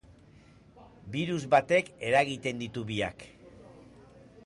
Birus batek eragiten ditu biak.